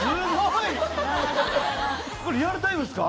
これリアルタイムっすか？